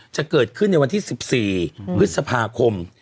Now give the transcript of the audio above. จะเกิดขึ้นในวันที่๑๔พฤษภาคม